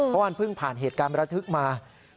เขาเพิ่งผ่านเหตุการณ์รัฐฤกต์มา